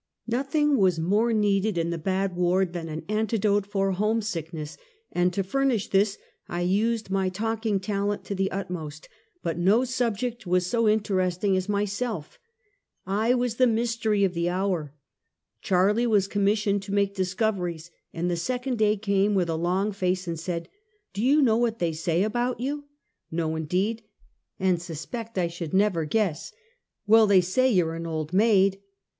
iN'oTHma was more needed in the bad ward, than an antidote for homesickness, and, to furnish tliis, I used nij talking talent to the utmost, but no subject was so interesting as myself. I was the mystery of the hour. Charlie was commissioned to make discov eries, and the second day came, with a long face, and said: "Do you know what they say about you?" " ITo in deed! and suspect I should never guess." " "Well, they say you 're an old maid!"